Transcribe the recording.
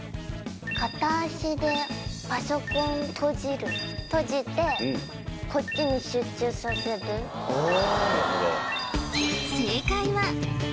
片足でパソコン閉じる閉じてこっちに集中させるえっ！？